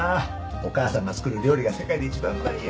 お母さんが作る料理が世界で一番うまいよ。